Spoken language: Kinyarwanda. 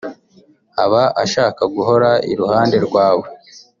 aba ashaka guhora iruhande rwawe